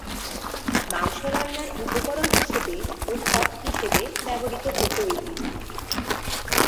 মাংস রান্নার উপকরণ হিসেবে ও সস হিসেবে ব্যবহৃত হত এটি।